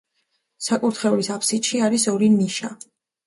საკურთხევლის აფსიდში არის ორი ნიშა.